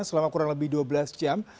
selama kurang lebih dua belas jam